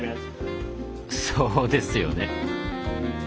そうですよね。